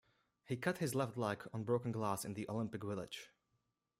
He cut his left leg on broken glass in the Olympic Village.